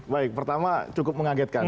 baik pertama cukup mengagetkan